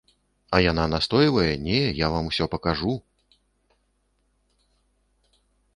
А яна настойвае, не, я вам усё пакажу.